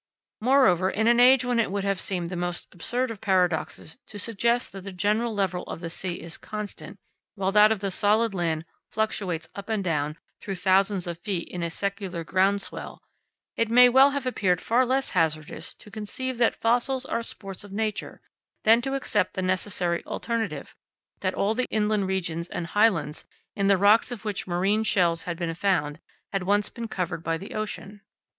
Moreover, in an age when it would have seemed the most absurd of paradoxes to suggest that the general level of the sea is constant, while that of the solid land fluctuates up and down through thousands of feet in a secular ground swell, it may well have appeared far less hazardous to conceive that fossils are sports of nature than to accept the necessary alternative, that all the inland regions and highlands, in the rocks of which marine shells had been found, had once been covered by the ocean.